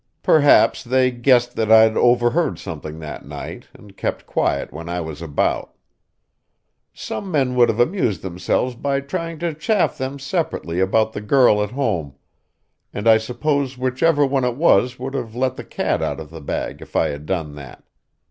Perhaps they guessed that I had overheard something that night, and kept quiet when I was about. Some men would have amused themselves by trying to chaff them separately about the girl at home, and I suppose whichever one it was would have let the cat out of the bag if I had done that.